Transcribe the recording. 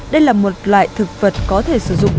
đây là một loại thực vật có thể sử dụng